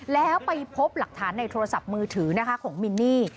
แล้วไปพบหลักฐานในโทรศัพท์มือถือนะคะของมินนี่